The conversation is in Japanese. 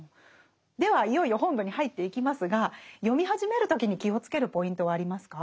ではいよいよ本文に入っていきますが読み始める時に気を付けるポイントはありますか？